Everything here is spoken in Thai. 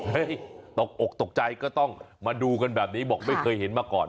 ตกอกตกใจก็ต้องมาดูกันแบบนี้บอกไม่เคยเห็นมาก่อน